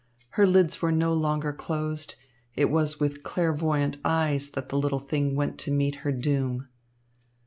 Her lids were no longer closed. It was with clairvoyant eyes that the little thing went to meet her doom.